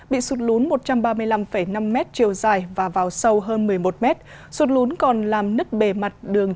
bị sụt lún một trăm ba mươi năm năm m chiều dài và vào sâu hơn một mươi một m sụt lún còn làm nứt bề mặt đường chín trăm hai mươi một